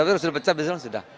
tapi sudah pecah bisul sudah